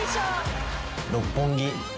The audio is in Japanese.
六本木。